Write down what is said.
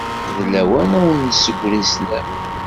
D lawan ad wen-nessegri sslam.